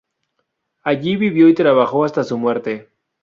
Allí vivió y trabajó hasta su muerte.